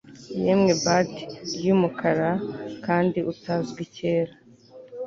yemwe bard yumukara kandi utazwi kera